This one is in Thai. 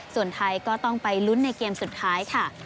ส่วนไทยก็ต้องไปลุ้นในเกมสุดท้ายค่ะ